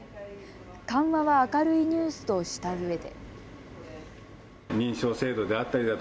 緩和は明るいニュースとしたうえで。